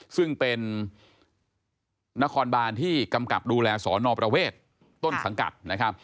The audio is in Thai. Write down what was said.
ซึ่งเป็นนครบานที่กำกับดูแลสอนอประเวทต้นสังกัดนะครับ